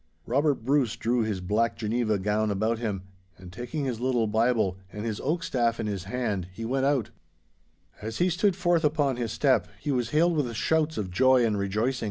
Robert Bruce drew his black Geneva gown about him, and taking his little Bible and his oak staff in his hand he went out. As he stood forth upon his step, he was hailed with shouts of joy and rejoicing. 'Hearken Maister Bruce! Hear the minister!